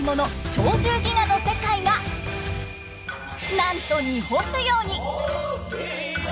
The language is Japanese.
「鳥獣戯画」の世界がなんと日本舞踊に！